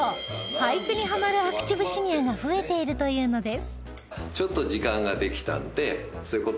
俳句にハマるアクティブシニアが増えているというのです